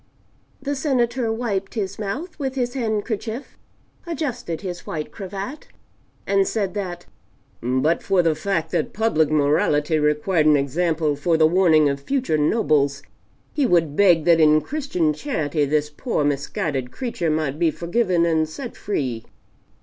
The Senator wiped his mouth with his handkerchief, adjusted his white cravat, and said that but for the fact that public morality required an example, for the warning of future Nobles, he would beg that in Christian charity this poor misguided creature might be forgiven and set free.